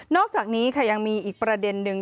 อกจากนี้ค่ะยังมีอีกประเด็นนึง